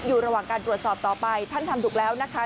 อยู่ระหว่างการตรวจสอบต่อไปท่านทำถูกแล้วนะคะ